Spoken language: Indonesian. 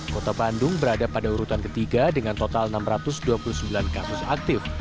kota bandung berada pada urutan ketiga dengan total enam ratus dua puluh sembilan kasus aktif